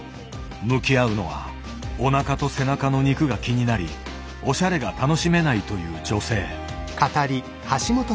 向き合うのはおなかと背中の肉が気になりおしゃれが楽しめないという女性。